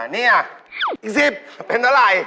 นี่เท่าไร